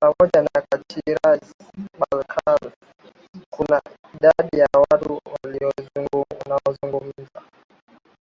pamoja na Karachais Balkars Kuna idadi ya watu wanaozungumza